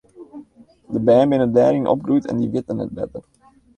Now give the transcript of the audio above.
De bern binne dêryn opgroeid en dy witte net better.